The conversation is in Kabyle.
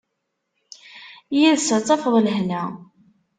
Yid-s ad tafeḍ lehna.